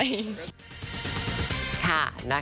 ไม่เป็นไร